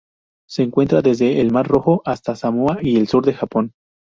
Se encuentra desde el Mar Rojo hasta Samoa y el sur del Japón.